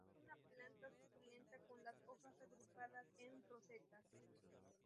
Es una planta suculenta con las hojas agrupadas en rosetas.